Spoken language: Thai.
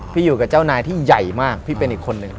พี่อยู่กับเจ้านายที่ใหญ่มากพี่เป็นอีกคนนึง